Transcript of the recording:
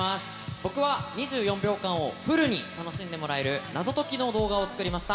僕は、２４秒間をフルに楽しんでもらえる謎解きの動画を作りました。